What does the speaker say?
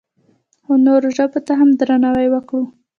خو نورو ژبو ته هم درناوی وکړو.